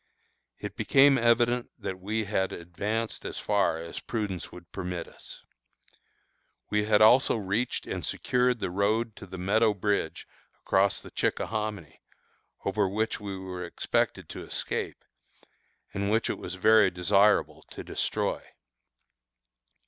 It became evident that we had advanced as far as prudence would permit us. We had also reached and secured the road to the Meadow Bridge across the Chickahominy, over which we were expected to escape, and which it was very desirable to destroy.